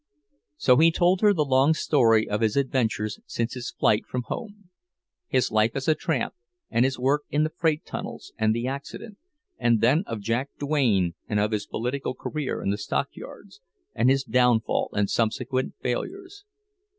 So he told her the long story of his adventures since his flight from home; his life as a tramp, and his work in the freight tunnels, and the accident; and then of Jack Duane, and of his political career in the stockyards, and his downfall and subsequent failures.